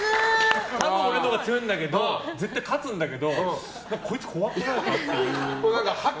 多分、俺のほうが強いんだけど絶対勝つんだけどこいつ怖くないか？